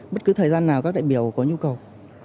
bất cứ thời gian nào các đại biểu có nhu cầu